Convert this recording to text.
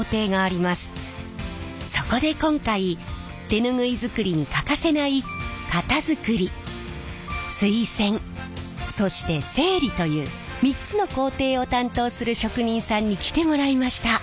そこで今回手ぬぐい作りに欠かせない型作り水洗そして整理という３つの工程を担当する職人さんに来てもらいました。